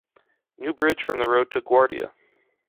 New bridge from the road to Guàrdia.